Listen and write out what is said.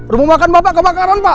rumah makan bapak kebakaran pak